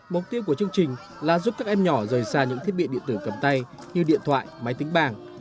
mục tiêu của chương trình là giúp các em nhỏ rời xa những thiết bị điện tử cầm tay như điện thoại máy tính bảng